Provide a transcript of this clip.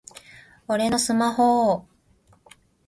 僕のスマホぉぉぉ！